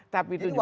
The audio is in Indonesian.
tapi itu juga